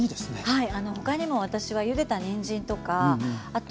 はい。